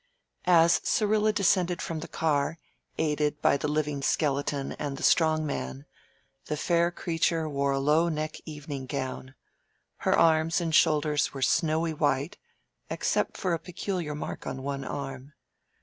As Syrilla descended from the car, aided by the Living Skeleton and the Strong Man, the fair creature wore a low neck evening gown. Her arms and shoulders were snowy white (except for a peculiar mark on one arm).